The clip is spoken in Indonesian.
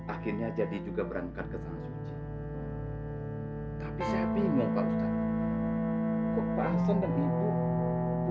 akhirnya jadi juga berangkat ke tanah suci tapi saya bingung pak ustadz kok pak hasan dan ibu